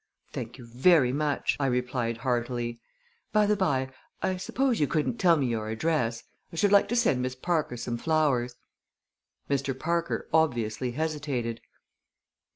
"Thank you very much," I replied heartily. "By the by, I suppose you couldn't tell me your address? I should like to send Miss Parker some flowers." Mr. Parker obviously hesitated.